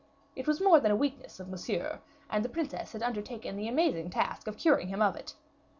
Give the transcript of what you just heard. It was more than a weakness of Monsieur, and the princess had undertaken the amazing task of curing him of it.